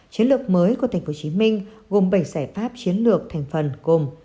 chiến lược mới của tp hcm gồm bảy giải pháp chiến lược thành phần gồm